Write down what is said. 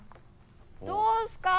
どうすか。